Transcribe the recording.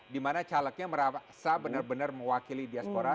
di mana chalegnya merasa benar benar mewakili diaspora